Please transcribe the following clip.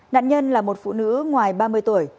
nạn nhân là một phụ nữ ngoài ba mươi tuổi